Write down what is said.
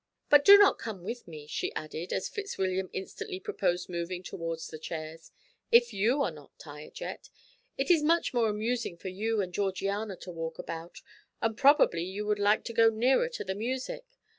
"But do not come with me," she added, as Fitzwilliam instantly proposed moving towards the chairs, "if you are not tired yet, it is much more amusing for you and Georgiana to walk about, and probably you would like to go nearer to the music.